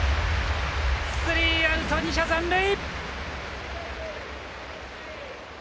スリーアウト２者残塁。